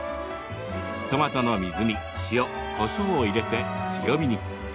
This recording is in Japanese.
トマトの水煮、塩、こしょうを入れて強火に。